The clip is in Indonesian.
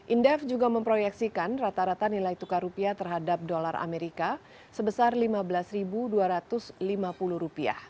indef juga memproyeksikan rata rata nilai tukar rupiah terhadap dolar amerika sebesar rp lima belas dua ratus lima puluh